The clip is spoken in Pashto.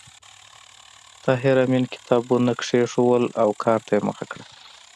طاهر آمین کتابونه کېښودل او کار ته یې مخه کړه